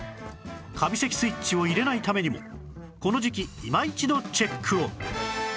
カビ咳スイッチを入れないためにもこの時期いま一度チェックを！